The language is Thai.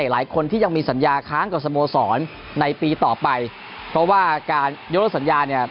หลายคนที่ยังมีสัญญาค้างกับสโมสรในปีต่อไปเพราะว่าการยกเลิกสัญญาเนี่ย